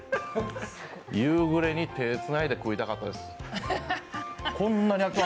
夕暮れに手つないで食いたかったです。